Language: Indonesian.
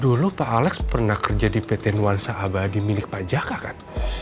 dulu pak alex pernah kerja di pt nuansa abadi milik pak jaka kan